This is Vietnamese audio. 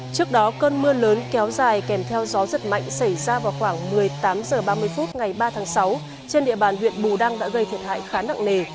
trước đó cơn mưa lớn kéo dài kèm theo gió giật mạnh xảy ra vào khoảng một mươi tám h ba mươi phút ngày ba tháng sáu trên địa bàn huyện bù đăng đã gây thiệt hại khá nặng nề